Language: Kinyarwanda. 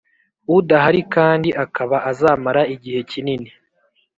udahari kandi akaba azamara igihe kinini